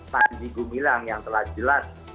panji gumilang yang telah jelas